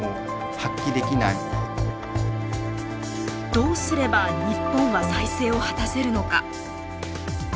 どうすれば日本は再生を果たせるのか。